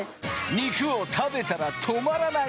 肉を食べたら止まらない。